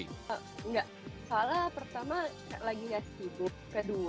enggak salah pertama lagi ya sibuk kedua